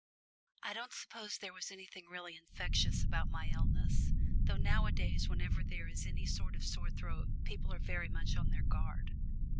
I don't suppose there was anything really infectious about my illness, though nowadays whenever there is any sort of sore throat people are very much on their guard.